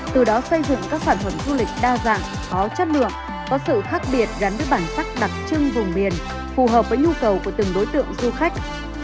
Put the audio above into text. từ đó xây dựng các sản phẩm du lịch đa dạng có chất lượng có sự khác biệt gắn với bản sắc đặc trưng vùng miền phù hợp với nhu cầu của từng đối tượng du khách